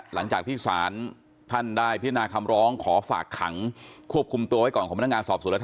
หลังจากที่ศาลท่านได้พิจารณาคำร้องขอฝากขัง